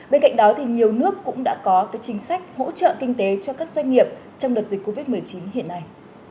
bên cạnh đó thì nhiều nước cũng đã có chính sách hỗ trợ kinh tế cho các doanh nghiệp trong đợt dịch covid một mươi chín hiện nay